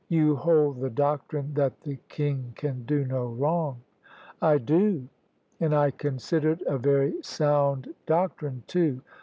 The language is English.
" You hold the doctrine that the king can do no wrong." "I do : and I consider it a very sound doctrine, too.